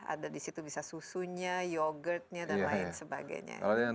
ada disitu bisa susunya yoghurtnya dan lain sebagainya